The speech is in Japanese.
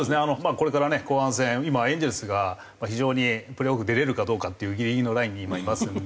これからね後半戦今エンゼルスが非常にプレーオフ出れるかどうかっていうギリギリのラインに今いますので。